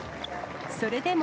それでも。